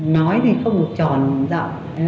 nói thì không được tròn rộng